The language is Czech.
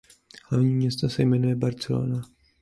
Hlavní město se jmenuje Barcelona.